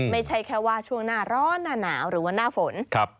ไม่ใช่แค่ว่าช่วงหน้าร้อนหน้าหนาวหรือว่าหน้าฝน